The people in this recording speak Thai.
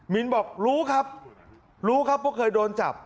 มินบอกรู้ครับรู้ครับว่าเคยโดนจับ